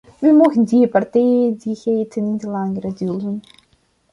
Wij mogen die partijdigheid niet langer dulden.